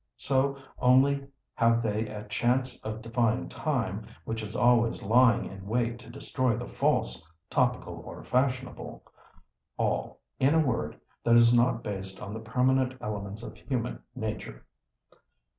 So only have they a chance of defying Time, which is always lying in wait to destroy the false, topical, or fashionable, all—in a word —that is not based on the permanent elements of human nature.